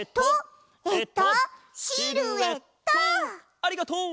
ありがとう！